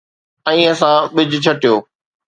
۽ اسان ٻج ڇٽيو